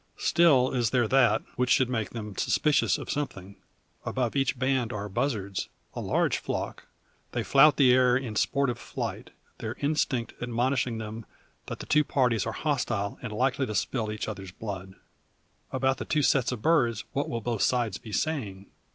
Still is there that, which should make them suspicious of something. Above each band are buzzards a large flock. They flout the air in sportive flight, their instinct admonishing them that the two parties are hostile, and likely to spill each other's blood. About the two sets of birds what will both sides be saying?